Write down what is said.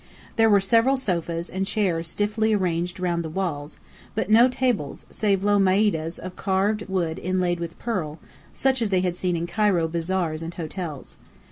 There were several sofas and chairs stiffly arranged round the walls; but no tables, save low maidahs of carved wood inlaid with pearl, such as they had seen in Cairo bazaars and hotels.